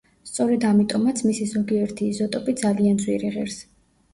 სწორედ ამიტომაც მისი ზოგიერთი იზოტოპი ძალიან ძვირი ღირს.